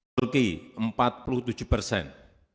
turki empat puluh tujuh persen